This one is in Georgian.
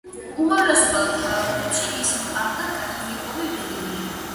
უმრავლესობა ქალაქებში ისევ აღდგა კათოლიკური რელიგია.